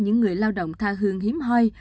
những người lao động tha hương hiếm hoi